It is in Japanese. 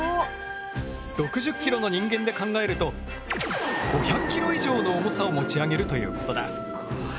６０ｋｇの人間で考えると５００ｋｇ以上の重さを持ち上げるということだ。